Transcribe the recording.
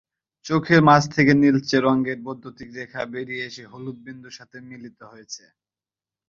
চোখের মাঝ থেকে নীলচে রঙের বৈদ্যুতিক রেখে বেরিয়ে এসে হলুদ বিন্দুর সাথে মিলিত হয়েছিল।